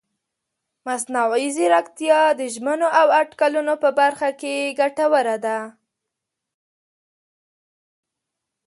مصنوعي ځیرکتیا د ژمنو او اټکلونو په برخه کې ګټوره ده.